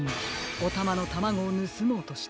おたまのタマゴをぬすもうとした。